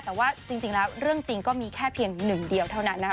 แต่ว่าจริงแล้วเรื่องจริงก็มีแค่เพียงหนึ่งเดียวเท่านั้นนะคะ